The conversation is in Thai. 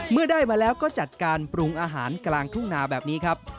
เมื่อได้มาแล้วก็จัดการปรุงอาหารกลางทุ่งนาแบบนี้ครับ